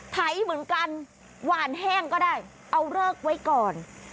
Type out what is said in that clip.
ไถเหมือนกันหวานแห้งก็ได้เอาเลิกไว้ก่อน